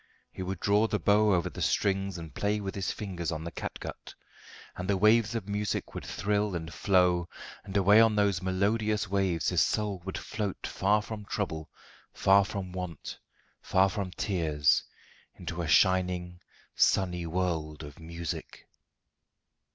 He would draw the bow over the strings and play with his fingers on the catgut, and the waves of music would thrill and flow, and away on those melodious waves his soul would float far from trouble, far from want, far from tears, into a shining, sunny world of music.